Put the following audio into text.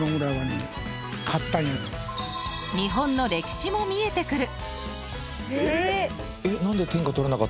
日本の歴史も見えてくる。